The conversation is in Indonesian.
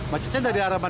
macetnya dari arah mana